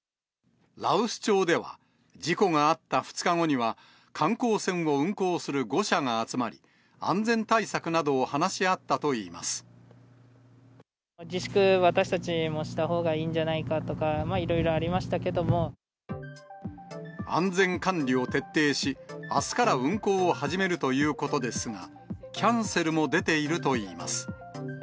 羅臼町では事故があった２日後には、観光船を運航する５社が集まり、安全対策などを話し合っ自粛、私たちもしたほうがいいんじゃないかとか、いろいろありましたけ安全管理を徹底し、あすから運航を始めるということですが、キャンセルも出ているといいます。